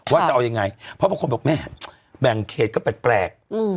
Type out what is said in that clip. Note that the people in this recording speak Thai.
ว่าจะเอายังไงเพราะบางคนบอกแม่แบ่งเขตก็แปลก